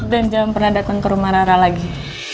dan jangan pernah datang ke rumah rara lagi